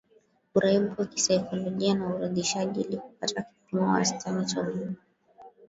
uraibu wa kisaikolojia na uridhishaji ili kupata kipimo wastani cha ulewaji